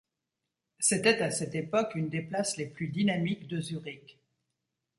C'était à cette époque une des places les plus dynamiques de Zurich.